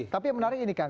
tapi yang menarik ini kan